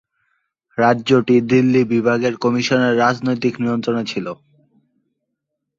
রাজ্যটি দিল্লি বিভাগের কমিশনারের রাজনৈতিক নিয়ন্ত্রণে ছিল।